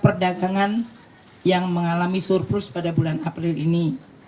perdagangan yang mengalami surplus pada bulan april ini